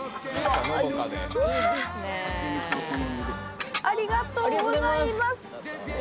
うわっありがとうございます